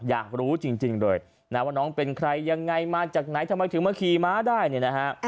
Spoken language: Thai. อยากรู้จริงเลยนะว่าน้องเป็นใครยังไงมาจากไหนทำไมถึงมาขี่ม้าได้เนี่ยนะฮะ